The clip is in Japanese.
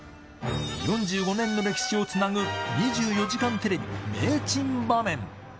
４５年の歴史をつなぐ２４時間テレビ名・珍場面。